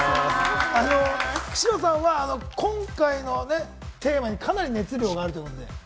久代さんは今回のテーマにかなり熱量があるということで。